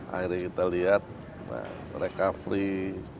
akhirnya kita lihat mereka free